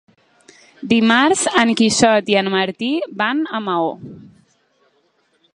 Dimarts en Quixot i en Martí van a Maó.